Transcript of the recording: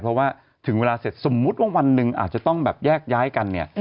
เพราะว่าถึงเวลาเสร็จสมมุติว่าวันหนึ่งอาจจะต้องแบบแยกย้ายกันเนี่ย